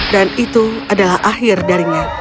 dan itu adalah akhir darinya